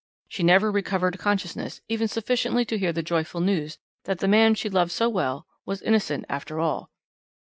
She never recovered consciousness even sufficiently to hear the joyful news that the man she loved so well was innocent after all.